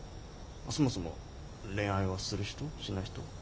そもそも恋愛はする人？しない人？